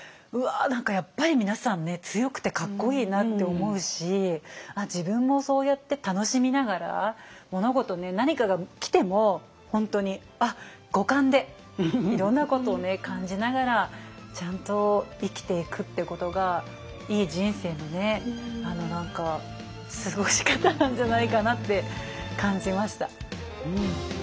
何かやっぱり皆さんね強くてかっこいいなって思うし自分もそうやって楽しみながら物事何かが来ても本当に五感でいろんなことを感じながらちゃんと生きていくっていうことがいい人生の過ごし方なんじゃないかなって感じました。